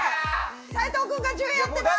斉藤君が１０やってます！